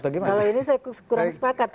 kalau ini saya kurang sepakat